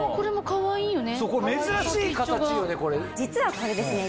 珍しい形よねこれ。